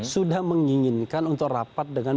sudah menginginkan untuk rapat dengan